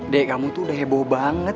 dek kamu tuh udah heboh banget